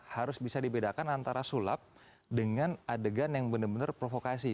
harus bisa dibedakan antara sulap dengan adegan yang benar benar provokasi